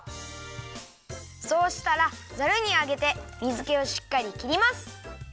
そうしたらザルにあげて水けをしっかりきります！